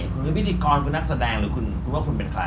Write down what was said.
คุณหรือพิธีกรคุณนักแสดงหรือคุณว่าคุณเป็นใคร